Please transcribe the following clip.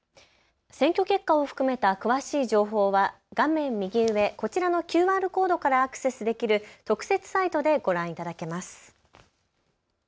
選挙結果を含めた詳しい情報は画面右上、こちらのＱＲコードからアクセスできる特設サイトでご覧いただけます。